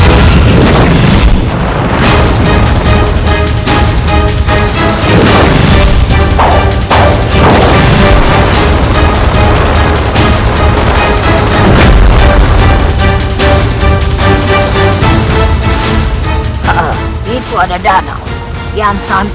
aku akan menjadikanmu penyakit